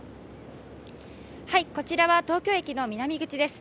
こちらは東京駅の南口です。